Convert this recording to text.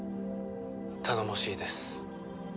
頼もしいです。